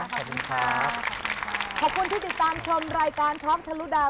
ขอบคุณที่ติดตามชมรายการทอล์กทะลุดาว